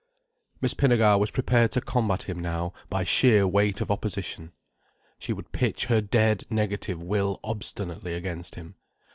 Miss Pinnegar was prepared to combat him now by sheer weight of opposition. She would pitch her dead negative will obstinately against him.